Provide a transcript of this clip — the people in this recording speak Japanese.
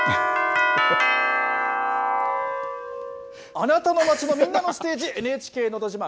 あなたの町のみんなのステージ、ＮＨＫのど自慢。